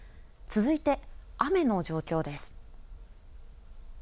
続いて、雨の状況です。